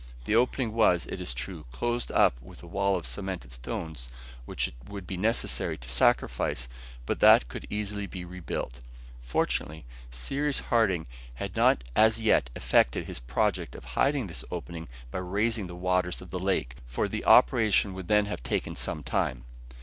The opening was, it is true, closed up with a wall of cemented stones, which it would be necessary to sacrifice, but that could easily be rebuilt. Fortunately, Cyrus Harding had not as yet effected his project of hiding this opening by raising the waters of the lake, for the operation would then have taken some time.